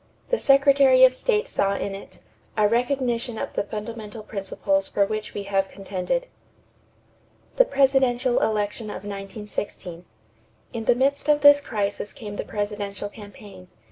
The Secretary of State saw in it "a recognition of the fundamental principles for which we have contended." =The Presidential Election of 1916.= In the midst of this crisis came the presidential campaign.